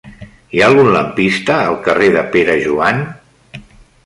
Hi ha algun lampista al carrer de Pere Joan?